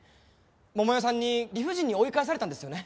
桃代さんに理不尽に追い返されたんですよね？